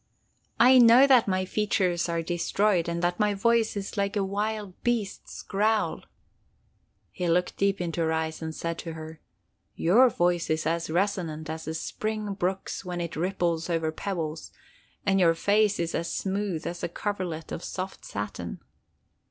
'I know that my features are destroyed, and that my voice is like a wild beast's growl.' "He looked deep into her eyes and said to her: 'Your voice is as resonant as the spring brook's when it ripples over pebbles, and your face is as smooth as a coverlet of soft satin.